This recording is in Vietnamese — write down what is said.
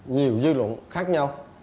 nhiều dư luận khác nhau